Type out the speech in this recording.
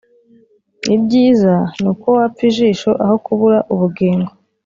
Ibyiza ni uko wapfa ijisho aho kubura ubugingo